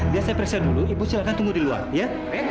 dia saya periksa dulu ibu silahkan tunggu di luar ya